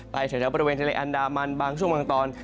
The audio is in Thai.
แถวบริเวณทะเลอันดามันบางช่วงบางตอน